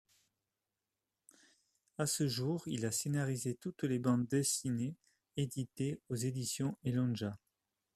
À ce jour, il a scénarisé toutes les bandes dessinées éditées aux Éditions Elondja.